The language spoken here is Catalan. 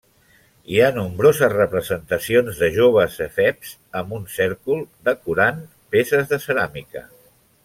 Hi ha nombroses representacions de joves efebs amb un cèrcol, decorant peces de ceràmica.